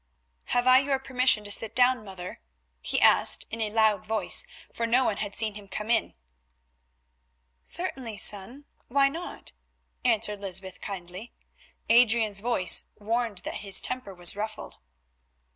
"Have I your permission to sit down, mother?" he asked in a loud voice, for no one had seen him come in. "Certainly, son, why not?" answered Lysbeth, kindly. Adrian's voice warned her that his temper was ruffled.